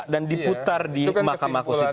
dan diputar di mahkamah konstitusi